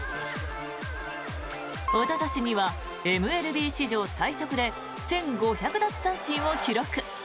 おととしにはＭＬＢ史上最速で１５００奪三振を記録。